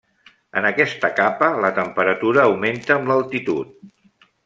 En aquesta capa la temperatura augmenta amb l'altitud.